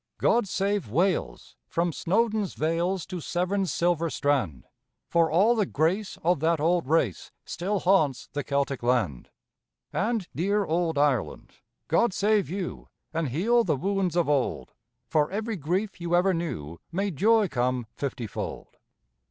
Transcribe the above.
God save Wales, from Snowdon's vales To Severn's silver strand! For all the grace of that old race Still haunts the Celtic land. And, dear old Ireland, God save you, And heal the wounds of old, For every grief you ever knew May joy come fifty fold!